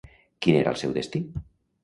Quin era el seu destí?